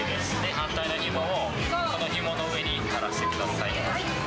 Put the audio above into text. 反対のひもをこのひもの上にたらしてください。